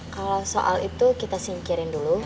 kalau soal itu kita singkirin dulu